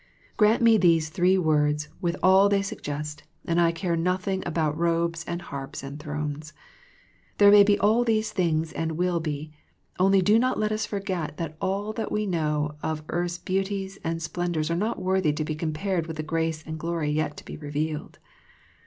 Grant me these three words with all they suggest, and I care nothing about robes and harps and thrones. There may be all these things and will be, only do not let us forget that all that we know of earth's beauties and splen dours are not worthy to be compared with the grace and glory yet to be revealed.